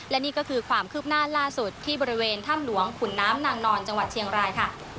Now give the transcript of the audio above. และนี่ก็คือความคืบหน้าล่าสุดที่บริเวณถ้ำหลวงขุนน้ำนางนอนจังหวัดเชียงรายค่ะ